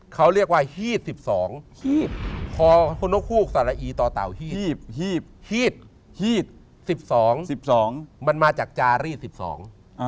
เขาเรียกว่าฮีดสิบสองฮีดฮีดฮีดสิบสองมันมาจากจารีสสิบสอง